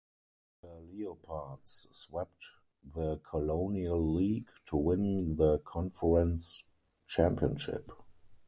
The Leopards swept the Colonial League to win the conference championship.